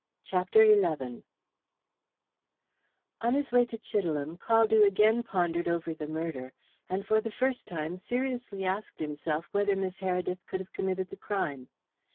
CHAPTER XI On his way to Chidelham, Caldew again pondered over the murder, and for the first time seriously asked himself whether Miss Heredith could have committed the crime.